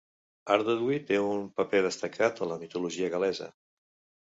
Ardudwy té un paper destacat a la mitologia gal·lesa.